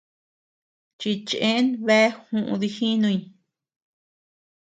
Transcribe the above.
Chichen bea juú dijinuy.